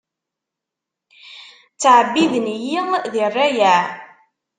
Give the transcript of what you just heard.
Ttɛebbiden-iyi di rrayeɛ.